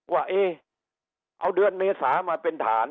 ว่าเอ๊เอาเดือนเมษามาเป็นฐาน